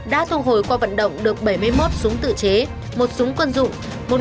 đã thu hồi qua vận động được bảy mươi một súng tự chế một súng quân dụng